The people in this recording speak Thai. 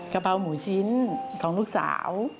กะเพราหมูชิ้นของลูกสาว